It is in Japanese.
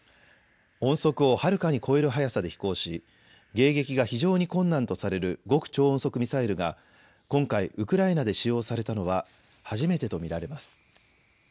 音速をはるかに超える速さで飛行し迎撃が非常に困難とされる極超音速ミサイルが今回ウクライナで使用されたのは初めてと見られます。